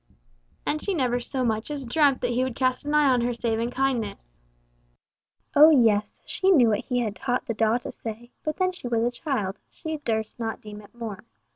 And she never so much as dreamt that he would cast an eye on her save in kindness. Oh yes, she knew what he had taught the daw to say, but then she was a child, she durst not deem it more.